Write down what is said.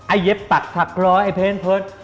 ไอ้เย็บตัดผักพร้อไอ้เพ้นเผิด